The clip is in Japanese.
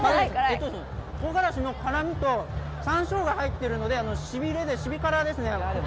とうがらしの辛味とさんしょうが入っているので、しびれで、シビ辛ですね。